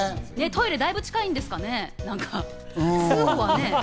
トイレがだいぶ近いんですかね？